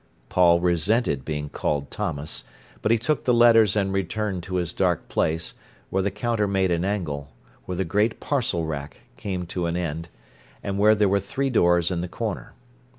Paul resented being called "Thomas". But he took the letters and returned to his dark place, where the counter made an angle, where the great parcel rack came to an end, and where there were three doors in the corner.